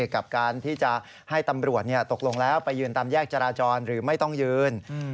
กับการที่จะให้ตำรวจตกลงแล้วไปยืนตามแยกจราจรหรือไม่ต้องยืน